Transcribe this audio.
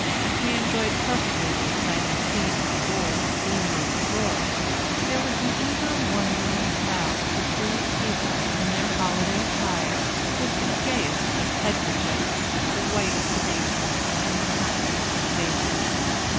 We enjoyed perfectly the exciting scene on board the steamboat Flora. There was an eager, wondering crowd of the freed people, in their holiday attire, with the gayest of headkerchiefs, the whitest of aprons, and the happiest of faces.